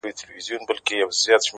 ستا د تورو سترگو اوښکي به پر پاسم!!